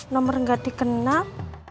nomor gak dikenal